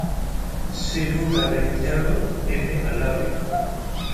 Cellou Dalein Diallo est né à Labé.